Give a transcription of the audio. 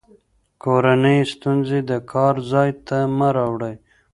کورني ستونزې د کار ځای ته مه راوړئ.